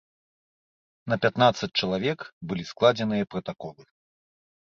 На пятнаццаць чалавек былі складзеныя пратаколы.